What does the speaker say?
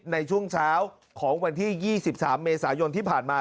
ในช่วงเช้าของวันที่๒๓เมษายนที่ผ่านมา